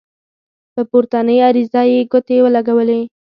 په پورتنۍ عریضه یې ګوتې ولګولې.